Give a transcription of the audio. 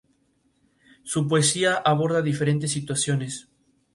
Su poesía aborda diferentes situaciones.